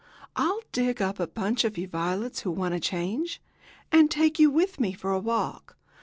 I'll dig up a bunch of you violets, who want a change, and take you with me for a walk.